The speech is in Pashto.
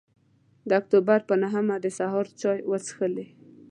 د اکتوبر پر نهمه د سهار چای وڅښلې.